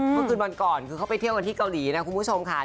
เมื่อคืนวันก่อนคือเขาไปเที่ยวกันที่เกาหลีนะคุณผู้ชมค่ะ